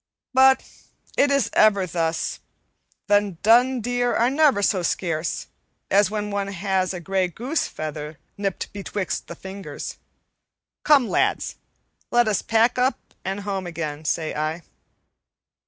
But it is ever thus: the dun deer are never so scarce as when one has a gray goose feather nipped betwixt the fingers. Come, lads, let us pack up and home again, say I."